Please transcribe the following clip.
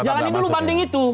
jalani dulu banding itu